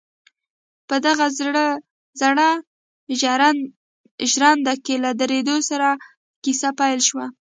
په دغه زړه ژرنده کې له درېدو سره کيسه پيل شوه.